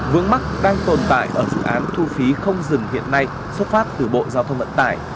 vướng mắt đang tồn tại ở dự án thu phí không dừng hiện nay xuất phát từ bộ giao thông vận tải